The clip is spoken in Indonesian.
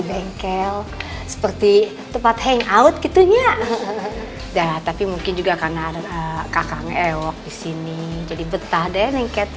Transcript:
bengkel seperti tempat hangout gitu ya tapi mungkin juga karena ada kakang eok di sini jadi betah deh